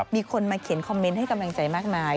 มีคนมาเขียนคอมเมนต์ให้กำลังใจมากมาย